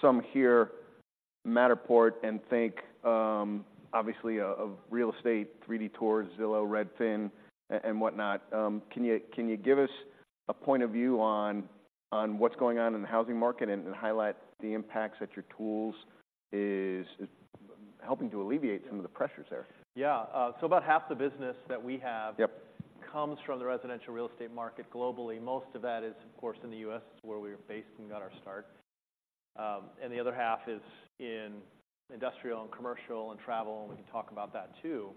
Some hear Matterport and think, obviously of real estate, 3D tours, Zillow, Redfin, and whatnot. Can you give us a point of view on what's going on in the housing market and highlight the impacts that your tools is helping to alleviate some of the pressures there? About half the business that we have comes from the residential real estate market globally. Most of that is, of course, in the U.S., where we were based and got our start. And the other half is in industrial and commercial and travel, and we can talk about that too.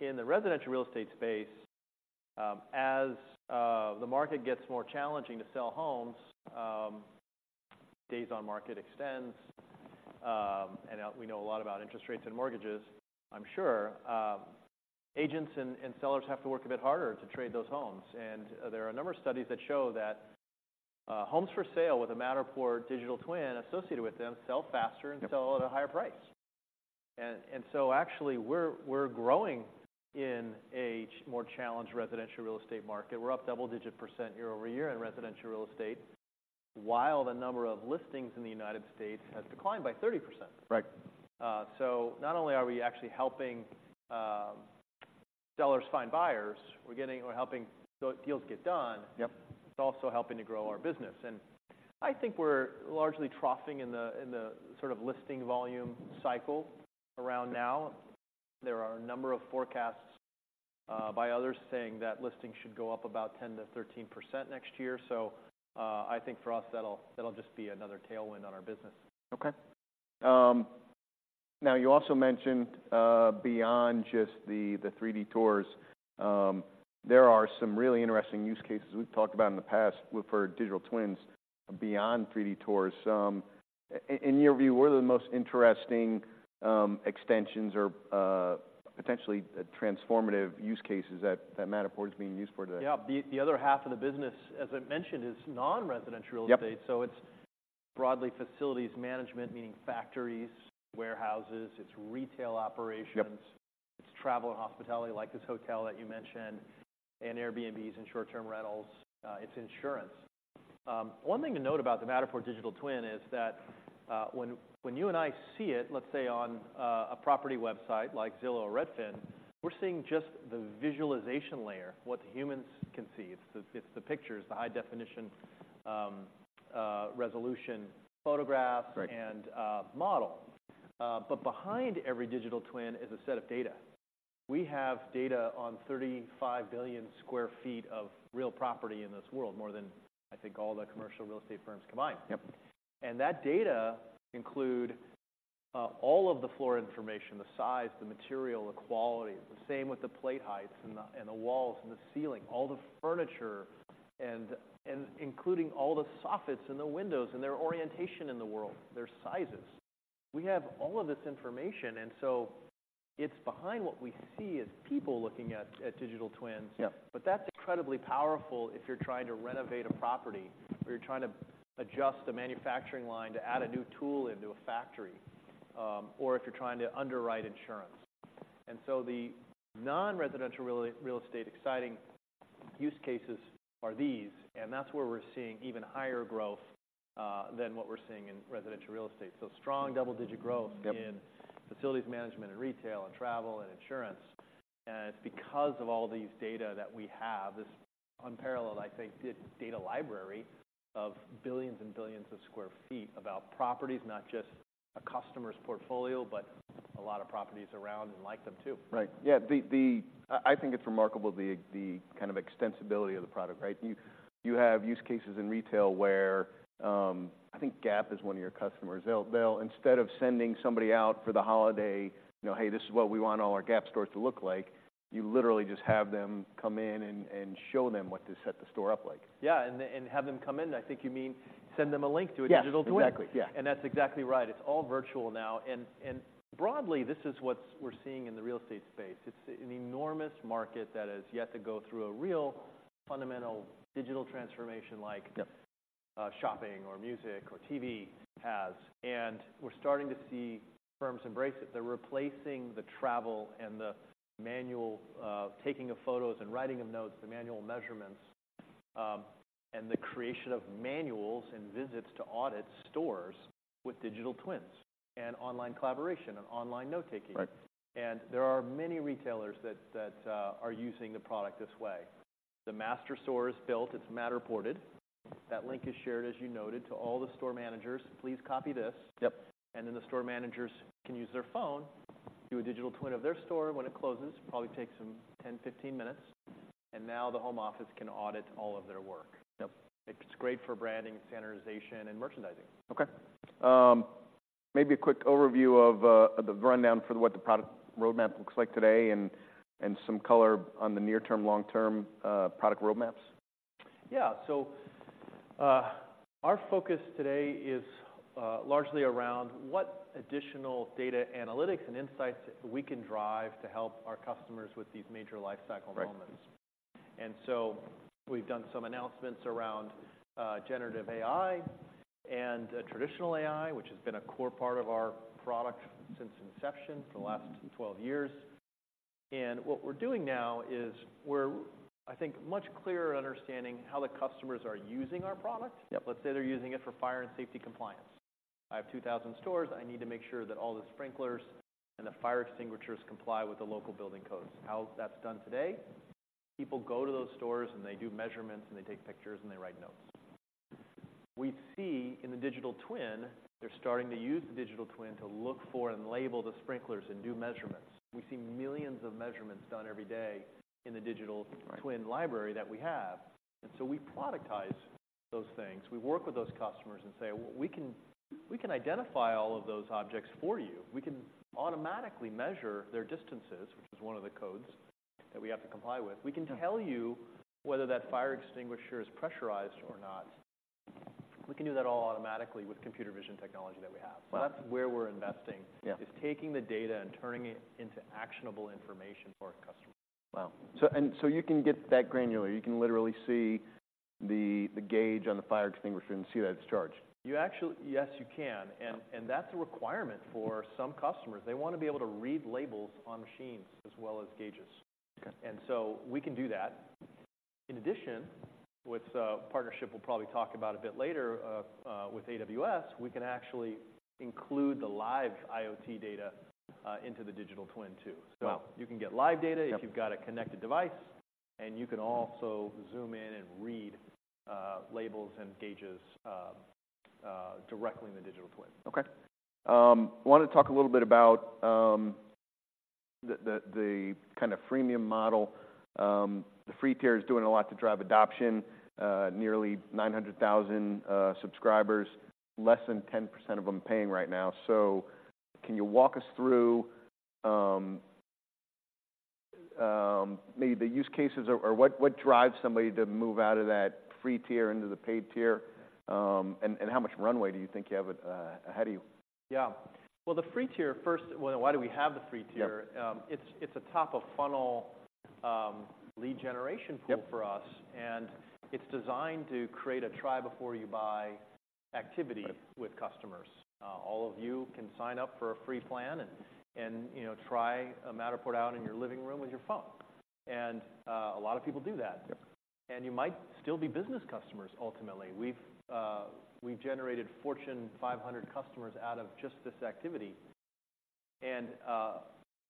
In the residential real estate space, as the market gets more challenging to sell homes, days on market extends. We know a lot about interest rates and mortgages, I'm sure. Agents and sellers have to work a bit harder to trade those homes, and there are a number of studies that show that homes for sale with a Matterport digital twin associated with them sell faster and sell at a higher price. Actually, we're growing in a more challenged residential real estate market. We're up double-digit % year-over-year in residential real estate, while the number of listings in the United States has declined by 30%. Right. So not only are we actually helping sellers find buyers, we're helping the deals get done. It's also helping to grow our business, and I think we're largely troughing in the sort of listing volume cycle around now. There are a number of forecasts by others saying that listings should go up about 10% to 13% next year. I think for us, that'll just be another tailwind on our business. Okay. Now, you also mentioned, beyond just the 3D tours, there are some really interesting use cases we've talked about in the past for digital twins beyond 3D tours. In your view, what are the most interesting extensions or potentially transformative use cases that Matterport is being used for today? The other half of the business, as I mentioned, is non-residential real estate. It's broadly facilities management, meaning factories, warehouses. It's retail operations. It's travel and hospitality, like this hotel that you mentioned, and Airbnbs and short-term rentals, it's insurance. One thing to note about the Matterport digital twin is that, when you and I see it, let's say, on a property website like Zillow or Redfin, we're seeing just the visualization layer, what the humans can see. It's the pictures, the high-definition resolution photographs and model. But behind every Digital Twin is a set of data. We have data on 35 billion sq ft of real property in this world, more than, I think, all the commercial real estate firms combined. That data include all of the floor information, the size, the material, the quality. The same with the plate heights and the walls and the ceiling, all the furniture, and including all the soffits and the windows and their orientation in the world, their sizes. We have all of this information, and so it's behind what we see as people looking at digital twins. But that's incredibly powerful if you're trying to renovate a property, or you're trying to adjust a manufacturing line to add a new tool into a factory, or if you're trying to underwrite insurance. And so the non-residential real estate exciting use cases are these, and that's where we're seeing even higher growth than what we're seeing in residential real estate. Strong double-digit growth in facilities management, and retail, and travel, and insurance. It's because of all these data that we have, this unparalleled, I think, data library of billions and billions of sq ft about properties, not just a customer's portfolio, but a lot of properties around and like them too. Right. It's remarkable, the kind of extensibility of the product, right? You have use cases in retail where, I think Gap is one of your customers. They'll instead of sending somebody out for the holiday, "You know, hey, this is what we want all our Gap stores to look like," you literally just have them come in and show them what to set the store up like. Yeah, and have them come in. I think you mean send them a link to a digital twin. Yes, exactly. Yeah. That's exactly right. It's all virtual now, and broadly, this is what we're seeing in the real estate space. It's an enormous market that has yet to go through a real fundamental digital transformation, like shopping or music or TV has. We're starting to see firms embrace it. They're replacing the travel and the manual, taking of photos and writing of notes, the manual measurements, and the creation of manuals and visits to audit stores with digital twins and online collaboration and online note-taking. Right. There are many retailers that are using the product this way. The master store is built, it's Matterported. Right. That link is shared, as you noted, to all the store managers. "Please copy this. The store managers can use their phone, do a digital twin of their store when it closes, probably takes them 10, 15 minutes, and now the home office can audit all of their work. It's great for branding, standardization, and merchandising. Okay. Maybe a quick overview of the rundown for what the product roadmap looks like today and some color on the near-term, long-term product roadmaps. Our focus today is largely around what additional data analytics and insights we can drive to help our customers with these major lifecycle moments. Right. We've done some announcements around generative AI and traditional AI, which has been a core part of our product since inception, for the last 12 years. What we're doing now is we're, I think, much clearer in understanding how the customers are using our product. Yep, let's say they're using it for fire and safety compliance. I have 2,000 stores, I need to make sure that all the sprinklers and the fire extinguishers comply with the local building codes. How that's done today, people go to those stores, and they do measurements, and they take pictures, and they write notes. We see in the digital twin, they're starting to use the digital twin to look for and label the sprinklers and do measurements. We see millions of measurements done every day in the digital twin library that we have, and so we productize those things. We work with those customers and say, "Well, we can, we can identify all of those objects for you. We can automatically measure their distances," which is one of the codes that we have to comply with. We can tell you whether that fire extinguisher is pressurized or not." We can do that all automatically with computer vision technology that we have. So that's where we're investing is taking the data and turning it into actionable information for our customers. You can get that granular. You can literally see the gauge on the fire extinguisher and see that it's charged? You actually. Yes, you can, and, and that's a requirement for some customers. They want to be able to read labels on machines as well as gauges. We can do that. In addition, with a partnership we'll probably talk about a bit later, with AWS, we can actually include the live IoT data into the digital twin too. You can get live data If you've got a connected device, and you can also zoom in and read labels and gauges directly in the digital twin. I wanted to talk a little bit about the kind of freemium model. The free tier is doing a lot to drive adoption, nearly 900,000 subscribers, less than 10% of them paying right now. Can you walk us through maybe the use cases or what drives somebody to move out of that free tier into the paid tier? How much runway do you think you have ahead of you? Well, the free tier, first, well, why do we have the free tier? It's a top-of-funnel lead generation tool.for us, and it's designed to create a try-before-you-buy activity. With customers. All of you can sign up for a free plan and, you know, try a Matterport out in your living room with your phone, and a lot of people do that. You might still be business customers ultimately. We've generated Fortune 500 customers out of just this activity, and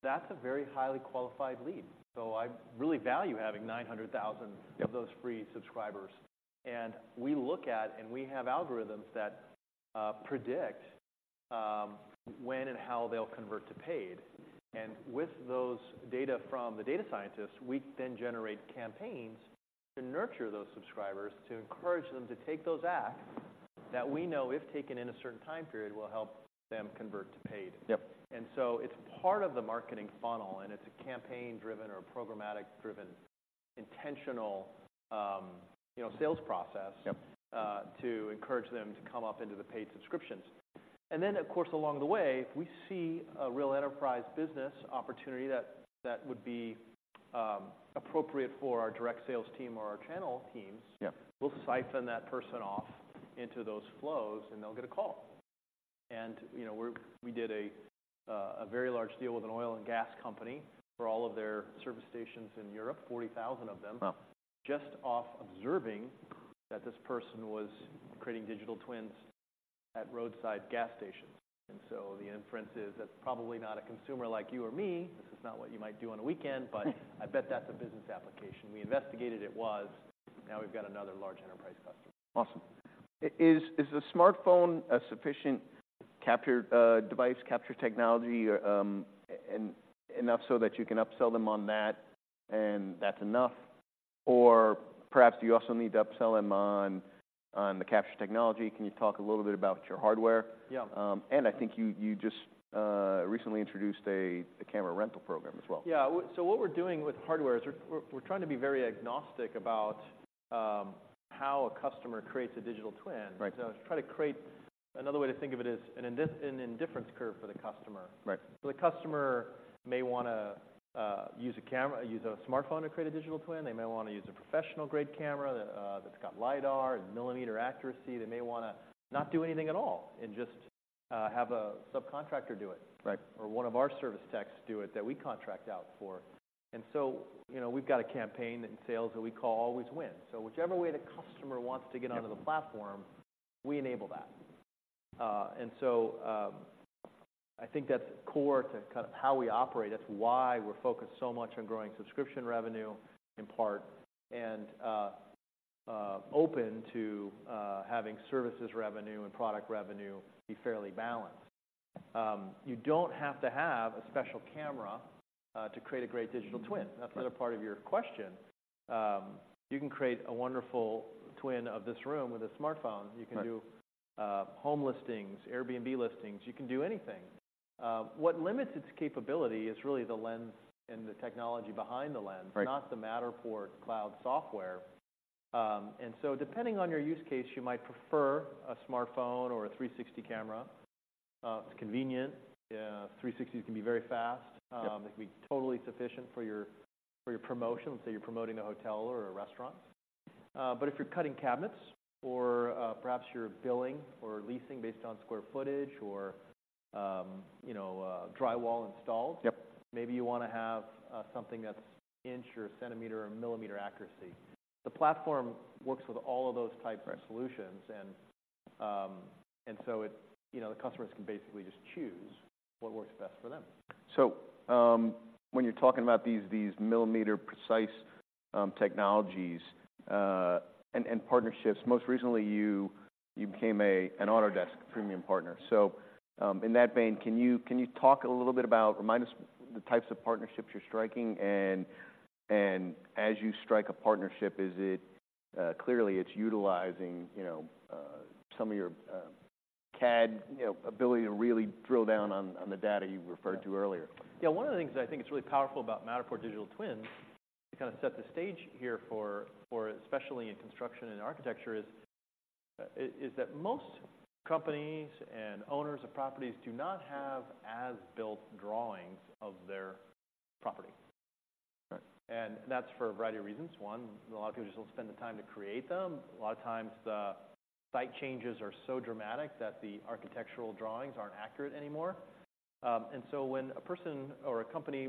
that's a very highly qualified lead. I really value having 900,000 of those free subscribers. We look at, and we have algorithms that predict when and how they'll convert to paid. With those data from the data scientists, we then generate campaigns to nurture those subscribers, to encourage them to take those acts that we know, if taken in a certain time period, will help them convert to paid. It's part of the marketing funnel, and it's a campaign-driven or programmatic-driven, intentional, you know, sales process. To encourage them to come up into the paid subscriptions. And then, of course, along the way, if we see a real enterprise business opportunity that would be appropriate for our direct sales team or our channel teams- We'll siphon that person off into those flows, and they'll get a call. And, you know, we did a very large deal with an oil and gas company for all of their service stations in Europe, 40,000 of them. Just off observing that this person was creating digital twins at roadside gas stations. And so the inference is, that's probably not a consumer like you or me. This is not what you might do on a weekend, but I bet that's a business application. We investigated, it was. Now we've got another large enterprise customer. Awesome. Is the smartphone a sufficient capture device, capture technology, and enough so that you can upsell them on that, and that's enough? Or perhaps do you also need to upsell them on the capture technology? Can you talk a little bit about your hardware? I think you just recently introduced a camera rental program as well. What we're doing with hardware is we're trying to be very agnostic about how a customer creates a digital twin. Try to create. Another way to think of it is an indifference curve for the customer. The customer may wanna use a camera, use a smartphone to create a digital twin. They may wanna use a professional-grade camera that's got LiDAR and millimeter accuracy. They may wanna not do anything at all and just have a subcontractor do it or one of our service techs do it that we contract out for. You know, we've got a campaign in sales that we call Always Win. Whichever way the customer wants to get onto the platform, we enable that. I think that's core to kind of how we operate. That's why we're focused so much on growing subscription revenue, in part, and open to having services revenue and product revenue be fairly balanced. You don't have to have a special camera to create a great digital twin. That's another part of your question. You can create a digital twin of this room with a smartphone. You can do home listings, Airbnb listings. You can do anything. What limits its capability is really the lens and the technology behind the lens not the Matterport cloud software. Depending on your use case, you might prefer a smartphone or a 360 camera. It's convenient. 360 can be very fast. It can be totally sufficient for your promotion, let's say you're promoting a hotel or a restaurant. But if you're cutting cabinets or perhaps you're billing or leasing based on square footage or, you know, drywall installed. Maybe you wanna have something that's inch or centimeter or millimeter accuracy. The platform works with all of those type of solutions. You know, the customers can basically just choose what works best for them. When you're talking about these millimeter precise technologies and partnerships, most recently you became an Autodesk Premium Partner. In that vein, can you talk a little bit about, remind us the types of partnerships you're striking? As you strike a partnership, is it. Clearly, it's utilizing, you know, some of your CAD, you know, ability to really drill down on the data you referred to earlier. One of the things that I think is really powerful about Matterport digital twins, to kind of set the stage here for especially in construction and architecture, is that most companies and owners of properties do not have as-built drawings of their property. That's for a variety of reasons. One, a lot of people just don't spend the time to create them. A lot of times, the site changes are so dramatic that the architectural drawings aren't accurate anymore. And so when a person or a company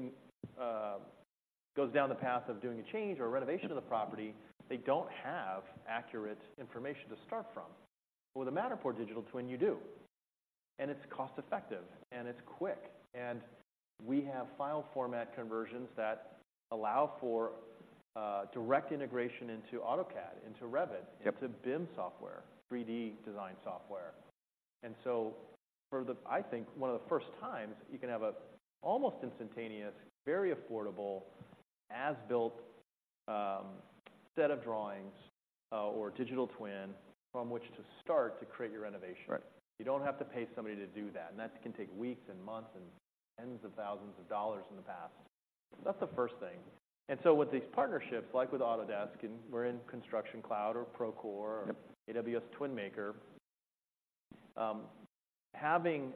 goes down the path of doing a change or renovation of the property, they don't have accurate information to start from. Well, with a Matterport digital twin, you do, and it's cost-effective, and it's quick, and we have file format conversions that allow for direct integration into AutoCAD, into Revit into BIM software, 3D design software. And so for the, I think, one of the first times, you can have a almost instantaneous, very affordable, as-built set of drawings, or digital twin from which to start to create your renovation. You don't have to pay somebody to do that, and that can take weeks, and months, and tens of thousands of dollars in the past. That's the first thing. With these partnerships, like with Autodesk, and we're in Construction Cloud or Procore, AWS TwinMaker, having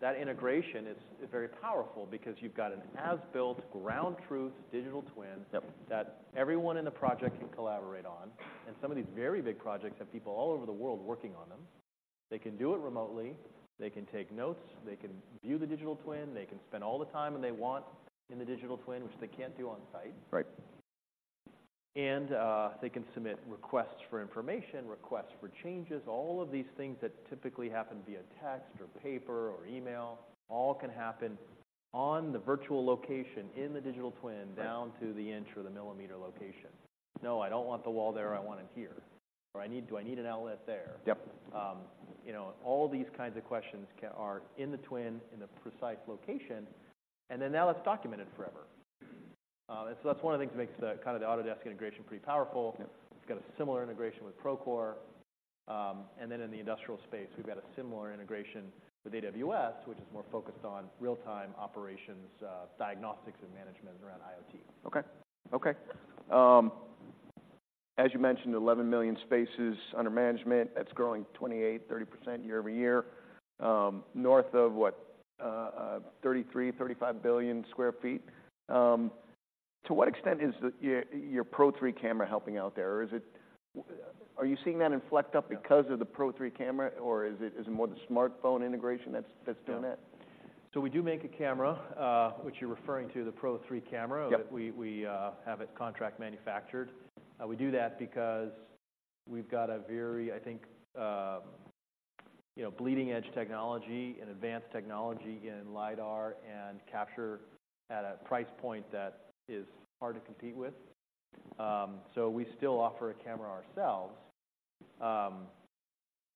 that integration is very powerful because you've got an as-built, ground truth digital twin that everyone in the project can collaborate on. Some of these very big projects have people all over the world working on them. They can do it remotely. They can take notes. They can view the digital twin. They can spend all the time that they want in the digital twin, which they can't do on site. They can submit requests for information, requests for changes. All of these things that typically happen via text or paper or email, all can happen on the virtual location in the digital twin down to the inch or the millimeter location. "No, I don't want the wall there. I want it here," or, "I need... Do I need an outlet there? You know, all these kinds of questions are in the twin in the precise location, and then now it's documented forever. That's one of the things that makes the kind of the Autodesk integration pretty powerful. We've got a similar integration with Procore. In the industrial space, we've got a similar integration with AWS, which is more focused on real-time operations, diagnostics and management around IoT. Okay. As you mentioned, 11 million spaces under management. That's growing 28% to 30% year-over-year. North of, what? 33 to 35 billion sq ft. To what extent is the, your, your Pro3 camera helping out there, or is it Are you seeing that inflect up because of the Pro3 camera, or is it, is it more the smartphone integration that's, that's doing it? We do make a camera, which you're referring to, the Pro3 camera that we have it contract manufactured. We do that because we've got a very, I think, you know, bleeding-edge technology and advanced technology in LiDAR and capture at a price point that is hard to compete with. We still offer a camera ourselves.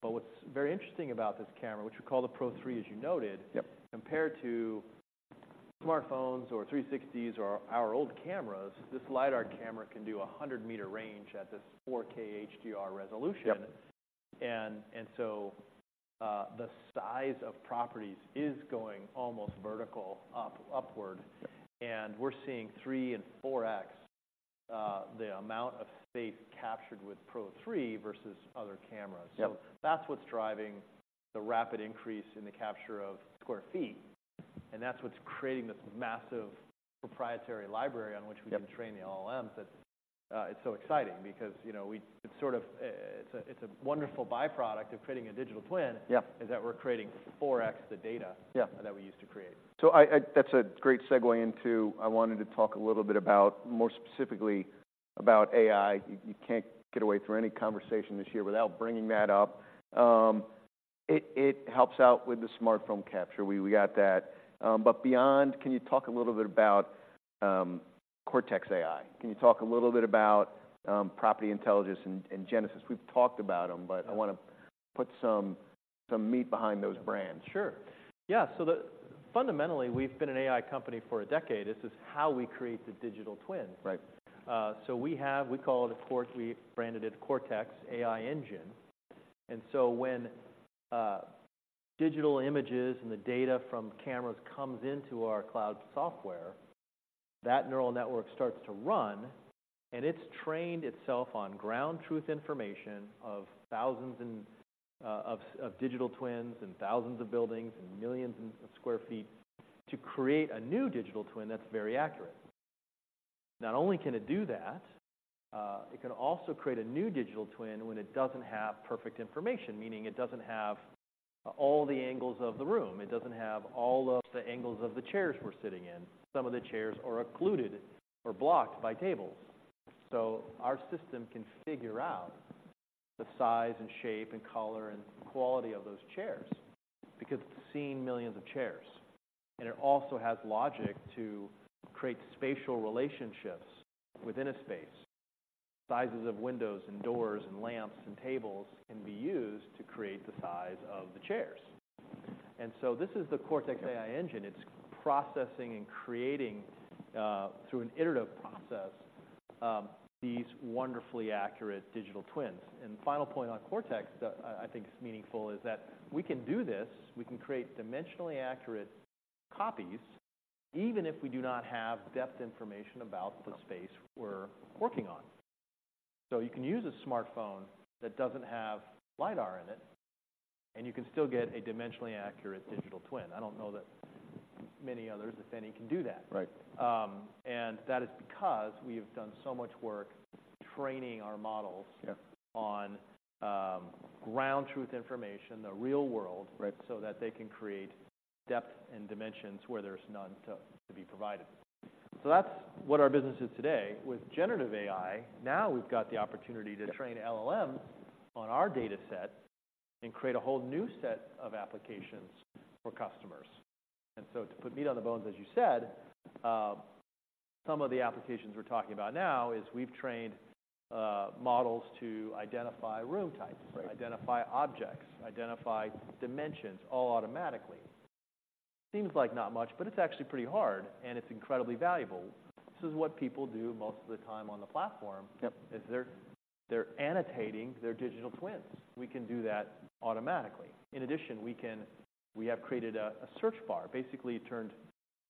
What's very interesting about this camera, which we call the Pro3, as you noted compared to smartphones or 360s or our old cameras, this LiDAR camera can do a 100-meter range at this 4K HDR resolution. The size of properties is going almost vertical up, upward, and we're seeing 3x and 4x the amount of space captured with Pro3 versus other cameras. That's what's driving the rapid increase in the capture of square feet, and that's what's creating this massive proprietary library on which we can train the LLMs. That, it's so exciting because, you know, it's sort of, it's a, it's a wonderful by-product of creating a digital twin is that we're creating 4x the data that we used to create. That's a great segue into. I wanted to talk a little bit about, more specifically about AI. You can't get away from any conversation this year without bringing that up. It helps out with the smartphone capture. We got that. But beyond, can you talk a little bit about Cortex AI? Can you talk a little bit about Property Intelligence and Genesis? We've talked about them, but I want to put some meat behind those brands. Fundamentally, we've been an AI company for a decade. This is how we create the digital twin. We have, we call it, we branded it Cortex AI Engine. When digital images and the data from cameras comes into our cloud software, that neural network starts to run, and it's trained itself on ground truth information of thousands and of digital twins and thousands of buildings and millions of square feet to create a new digital twin that's very accurate. Not only can it do that, it can also create a new digital twin when it doesn't have perfect information, meaning it doesn't have all the angles of the room. It doesn't have all of the angles of the chairs we're sitting in. Some of the chairs are occluded or blocked by tables. Our system can figure out the size and shape and color and quality of those chairs, because it's seen millions of chairs, and it also has logic to create spatial relationships within a space. Sizes of windows and doors and lamps and tables can be used to create the size of the chairs. This is the Cortex AI engine. It's processing and creating, through an iterative process, these wonderfully accurate digital twins. The final point on Cortex that I think is meaningful is that we can do this, we can create dimensionally accurate copies, even if we do not have depth information about the space we're working on .You can use a smartphone that doesn't have LiDAR in it, and you can still get a dimensionally accurate digital twin. I don't know that many others, if any, can do that. That is because we have done so much work training our models on, ground truth information, the real world so that they can create depth and dimensions where there's none to be provided. So that's what our business is today. With generative AI, now we've got the opportunity to train LLM on our data set and create a whole new set of applications for customers. To put meat on the bones, as you said, some of the applications we're talking about now is we've trained models to identify room types identify objects, identify dimensions, all automatically. Seems like not much, but it's actually pretty hard, and it's incredibly valuable. This is what people do most of the time on the platform is they're annotating their digital twins. We can do that automatically. In addition, we can, we have created a search bar, basically turned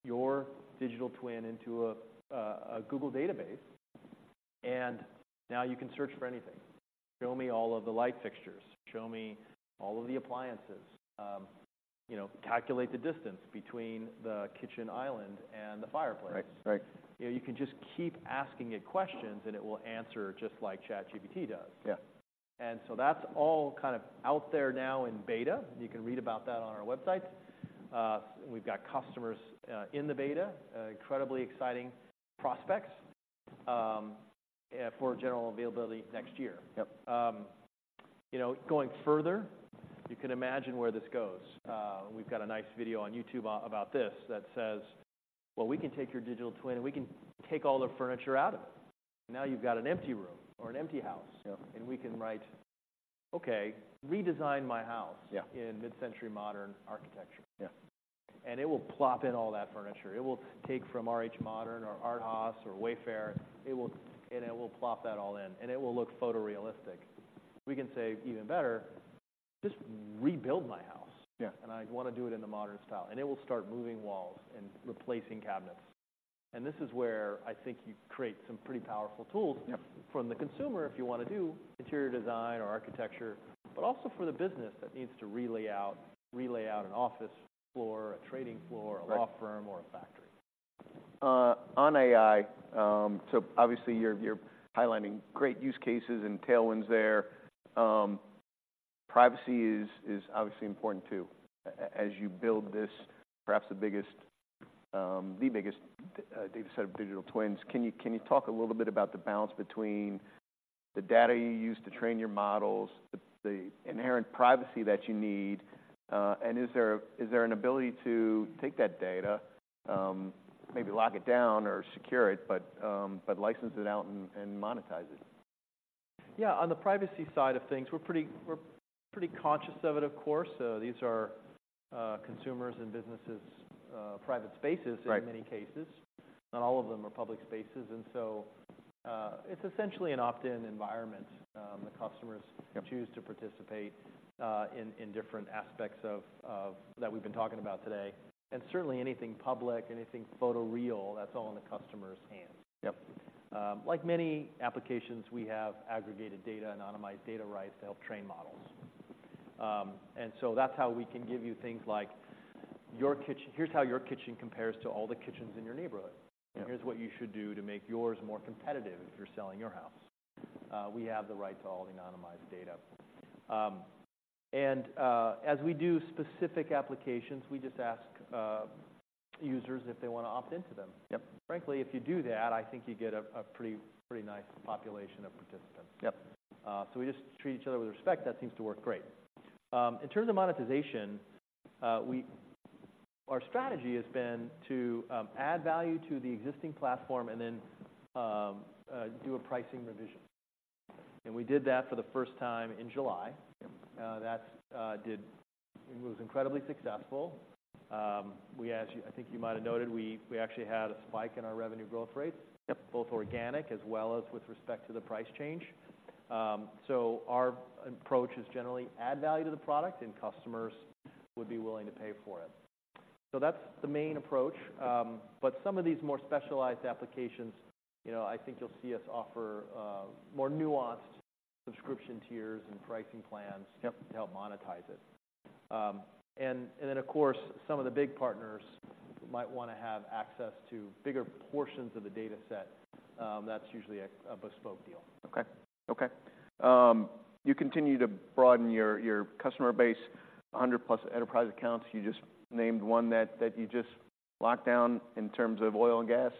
your digital twin into a Google database, and now you can search for anything. "Show me all of the light fixtures. Show me all of the appliances." You know, "Calculate the distance between the kitchen island and the fireplace. You know, you can just keep asking it questions, and it will answer just like ChatGPT does That's all kind of out there now in beta. You can read about that on our website. We've got customers in the beta, incredibly exciting prospects for general availability next year. You know, going further, you can imagine where this goes. We've got a nice video on YouTube about this that says: "Well, we can take your digital twin, and we can take all the furniture out of it. Now you've got an empty room or an empty house. We can write, "Okay, redesign my house in mid-century modern architecture. It will plop in all that furniture. It will take from RH Modern or Arhaus or Wayfair. It will plop that all in, and it will look photorealistic. We can say, even better, "Just rebuild my house. Yeah. And I want to do it in a modern style." And it will start moving walls and replacing cabinets. And this is where I think you create some pretty powerful tools- Yep... from the consumer if you want to do interior design or architecture, but also for the business that needs to lay out an office floor, a trading floor- Right... a law firm, or a factory. On AI, so obviously you're highlighting great use cases and tailwinds there. Privacy is obviously important too. As you build this, perhaps the biggest data set of digital twins, can you talk a little bit about the balance between the data you use to train your models, the inherent privacy that you need, and is there an ability to take that data, maybe lock it down or secure it, but license it out and monetize it? Yeah. On the privacy side of things, we're pretty, we're pretty conscious of it, of course. These are consumers' and businesses', private spaces- Right in many cases. Not all of them are public spaces, and so, it's essentially an opt-in environment. The customerschoose to participate in different aspects of that we've been talking about today. And certainly anything public, anything photoreal, that's all in the customer's hands. Like many applications, we have aggregated data, anonymized data rights to help train models. And so that's how we can give you things like your kitchen... "Here's how your kitchen compares to all the kitchens in your neighborhood. Here's what you should do to make yours more competitive if you're selling your house. We have the right to all the anonymized data. As we do specific applications, we just ask users if they want to opt into them. Frankly, if you do that, I think you get a pretty nice population of participants So we just treat each other with respect. That seems to work great. In terms of monetization, our strategy has been to add value to the existing platform and then do a pricing revision. And we did that for the first time in July. It was incredibly successful. We actually, I think you might have noted, we actually had a spike in our revenue growth rates. Both organic as well as with respect to the price change. So our approach is generally add value to the product, and customers would be willing to pay for it. So that's the main approach. But some of these more specialized applications, you know, I think you'll see us offer more nuanced subscription tiers and pricing plans to help monetize it. And then, of course, some of the big partners might want to have access to bigger portions of the data set. That's usually a bespoke deal. Okay. Okay. You continue to broaden your customer base, 100+ enterprise accounts. You just named one that you just locked down in terms of oil and gas.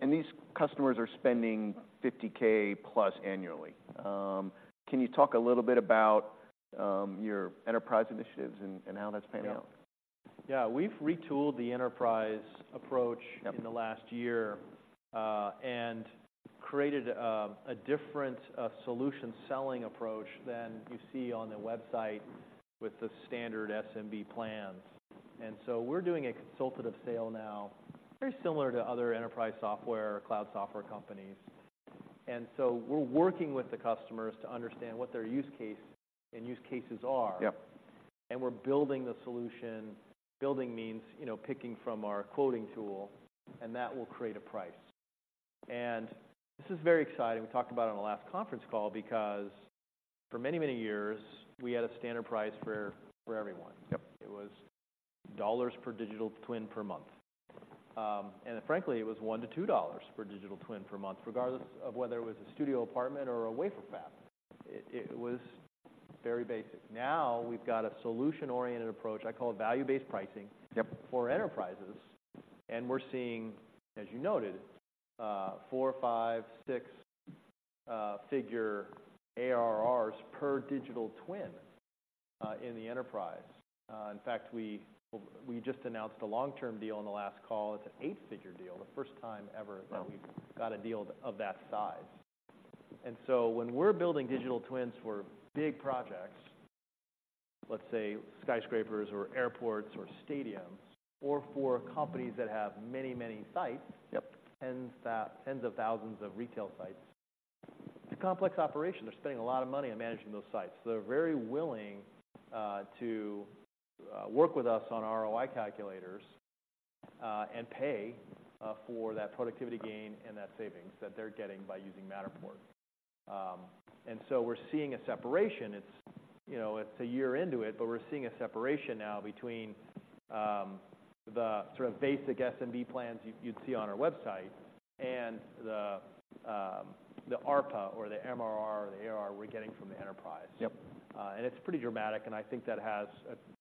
And these customers are spending $50K+ annually. Can you talk a little bit about your enterprise initiatives and how that's panning out? Yeah. We've retooled the enterprise approach in the last year, and created a different solution selling approach than you see on the website with the standard SMB plans. And so we're doing a consultative sale now, very similar to other enterprise software or cloud software companies. And so we're working with the customers to understand what their use case and use cases are. We're building the solution. Building means, you know, picking from our quoting tool, and that will create a price. And this is very exciting. We talked about it on the last conference call because for many, many years, we had a standard price for, for everyone. It was dollars per digital twin per month. And frankly, it was $1 to 2 per digital twin per month, regardless of whether it was a studio apartment or a wafer fab. It was very basic. Now, we've got a solution-oriented approach, I call it value-based pricing for enterprises, and we're seeing, as you noted, four-, five-, six-figure ARRs per digital twin in the enterprise. In fact, we just announced a long-term deal on the last call. It's an eight-figure deal, the first time ever that we've got a deal of that size. And so when we're building digital twins for big projects, let's say skyscrapers or airports or stadiums, or for companies that have many, many sites 10s, 1,000s, 10,000s of retail sites, it's a complex operation. They're spending a lot of money on managing those sites. They're very willing to work with us on ROI calculators and pay for that productivity gain and that savings that they're getting by using Matterport. And so we're seeing a separation. It's, you know, it's a year into it, but we're seeing a separation now between the sort of basic SMB plans you'd see on our website and the ARPA or the MRR, the ARR we're getting from the enterprise. It's pretty dramatic, and I think that has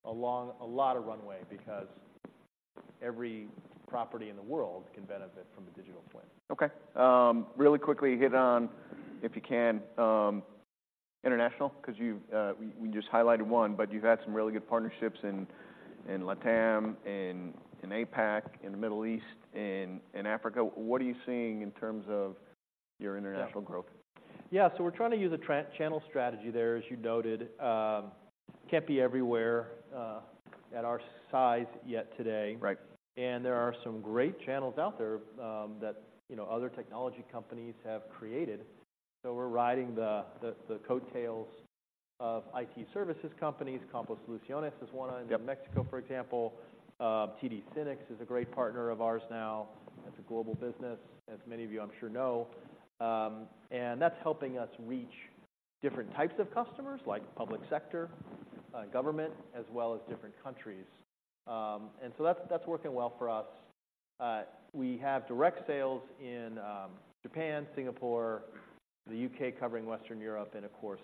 a lot of runway because every property in the world can benefit from a digital twin. Okay. Really quickly hit on, if you can, international, 'cause you've, we just highlighted one, but you've had some really good partnerships in, in LATAM, in, in APAC, in the Middle East, in, in Africa. What are you seeing in terms of your international growth? We're trying to use a channel strategy there, as you noted. Can't be everywhere, at our size yet today There are some great channels out there that, you know, other technology companies have created. So we're riding the coattails of IT services companies. CompuSoluciones is one in Mexico, for example. TD SYNNEX is a great partner of ours now. It's a global business, as many of you, I'm sure, know. And that's helping us reach different types of customers, like public sector, government, as well as different countries. And so that's working well for us. We have direct sales in Japan, Singapore, the U.K., covering Western Europe, and of course,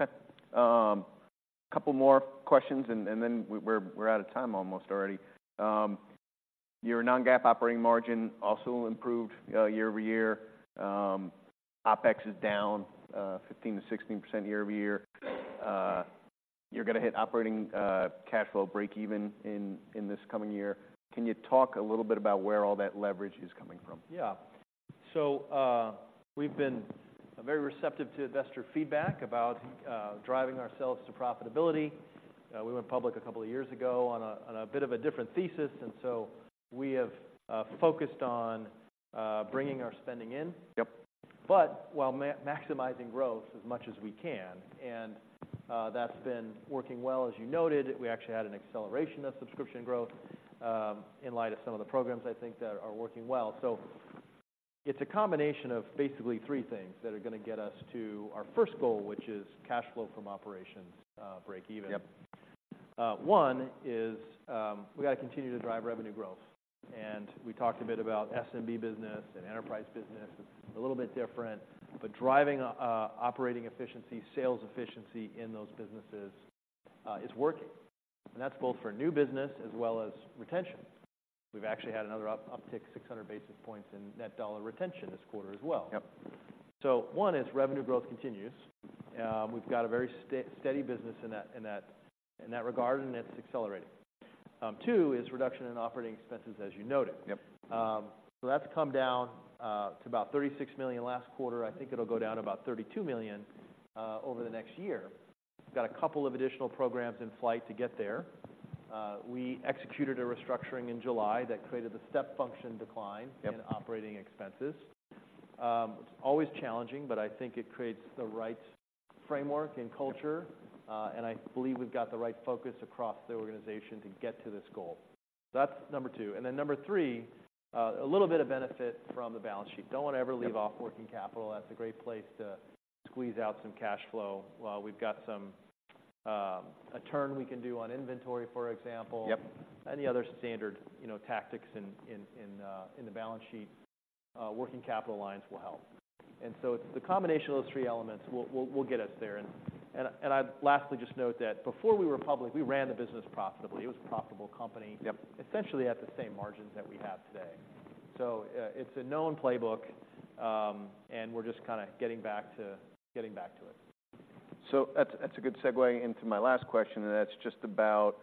North America. Okay. A couple more questions, and then we're out of time almost already. Your non-GAAP operating margin also improved year-over-year. OpEx is down 15% to 16% year-over-year. You're gonna hit operating cash flow break even in this coming year. Can you talk a little bit about where all that leverage is coming from? We've been very receptive to investor feedback about driving ourselves to profitability. We went public a couple of years ago on a, on a bit of a different thesis, and so we have focused on bringing our spending in but while maximizing growth as much as we can. And that's been working well. As you noted, we actually had an acceleration of subscription growth, in light of some of the programs I think that are working well. So it's a combination of basically three things that are gonna get us to our first goal, which is cash flow from operations, break even. One is, we've got to continue to drive revenue growth, and we talked a bit about SMB business and enterprise business. It's a little bit different, but driving operating efficiency, sales efficiency in those businesses is working, and that's both for new business as well as retention. We've actually had another uptick, 600 basis points in net dollar retention this quarter as well. One is revenue growth continues. We've got a very steady business in that regard, and it's accelerating. Two is reduction in operating expenses, as you noted. That's come down to about $36 million last quarter. I think it'll go down to about $32 million over the next year. Got a couple of additional programs in flight to get there. We executed a restructuring in July that created a step function decline in operating expenses. It's always challenging, but I think it creates the right framework and culture, and I believe we've got the right focus across the organization to get to this goal. That's number two. Number three, a little bit of benefit from the balance sheet. Don't want to ever leave off working capital. That's a great place to squeeze out some cash flow. While we've got some, a turn we can do on inventory, for example. Any other standard, you know, tactics in the balance sheet, working capital lines will help. And so it's the combination of those three elements will get us there. I'd lastly just note that before we were public, we ran the business profitably. It was a profitable company Essentially at the same margins that we have today. So, it's a known playbook, and we're just kind of getting back to it. That's, that's a good segue into my last question, and that's just about,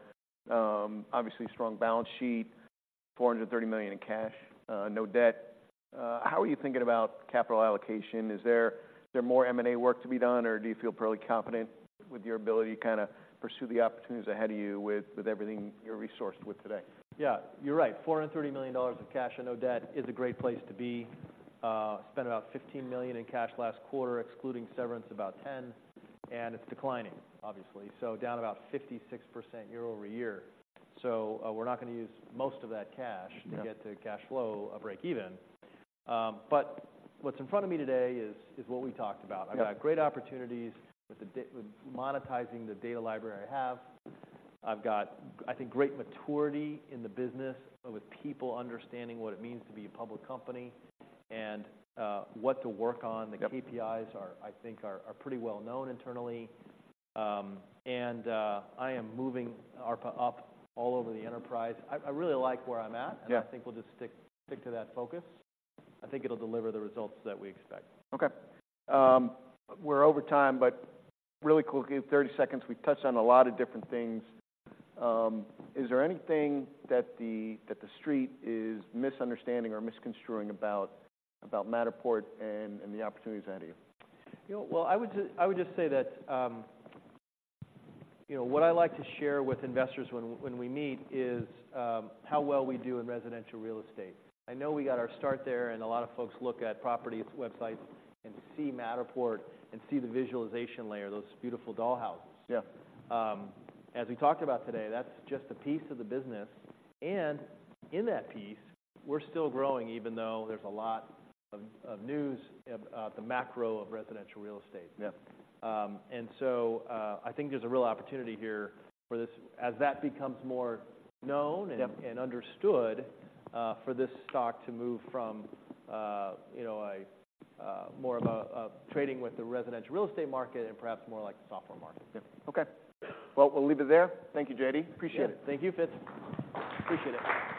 obviously, strong balance sheet, $430 million in cash, no debt. How are you thinking about capital allocation? Is there, is there more M&A work to be done, or do you feel fairly confident with your ability to kind of pursue the opportunities ahead of you with, with everything you're resourced with today? You're right. $430 million of cash and no debt is a great place to be. Spent about $15 million in cash last quarter, excluding severance, about $10 million, and it's declining, obviously. So down about 56% year-over-year. So, we're not going to use most of that cash to get to cash flow breakeven. But what's in front of me today is what we talked about I've got great opportunities with monetizing the data library I have. I've got, I think, great maturity in the business, with people understanding what it means to be a public company and what to work on. The KPIs are, I think, pretty well known internally. I am moving ARPA up all over the enterprise. I really like where I'm. I think we'll just stick to that focus. I think it'll deliver the results that we expect. Okay. We're over time, but really quickly, in 30 seconds, we've touched on a lot of different things. Is there anything that the, that the street is misunderstanding or misconstruing about, about Matterport and, and the opportunities ahead of you? You know, well, I would just, I would just say that, you know, what I like to share with investors when, when we meet is, how well we do in residential real estate. I know we got our start there, and a lot of folks look at properties, websites, and see Matterport and see the visualization layer, those beautiful dollhouses. As we talked about today, that's just a piece of the business, and in that piece, we're still growing, even though there's a lot of news about the macro of residential real estate. I think there's a real opportunity here for this as that becomes more known and understood, for this stock to move from, you know, more of a trading with the residential real estate market and perhaps more like the software market. Okay. Well, we'll leave it there. Thank you, JD. Appreciate it. Thank you, Fitz. Appreciate it.